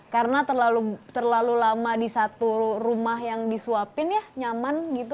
karena terlalu lama di satu rumah yang disuapin ya nyaman gitu